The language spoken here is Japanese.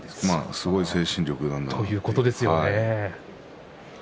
すごい精神力なんだと思います。